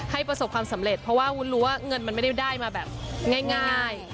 ประสบความสำเร็จเพราะว่าวุ้นรู้ว่าเงินมันไม่ได้ได้มาแบบง่าย